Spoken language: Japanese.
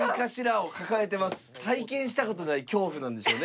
体験したことない恐怖なんでしょうね